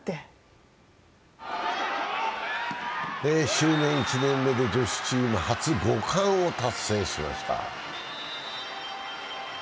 就任１年目で女子チーム初５冠を達成しました。